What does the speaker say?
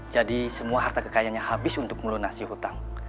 jadi semua harta kekayaannya habis untuk melunasi hutang